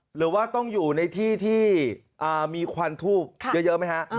หรือว่าต้องอยู่ในที่ที่มีควันทูบเยอะไหมฮะ